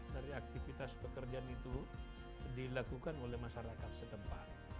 dari aktivitas pekerjaan itu dilakukan oleh masyarakat setempat